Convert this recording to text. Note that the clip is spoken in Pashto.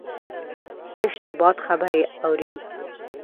تش د باد خبرې اوري